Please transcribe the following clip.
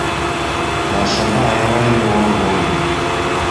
Башында аябай эле оор болду.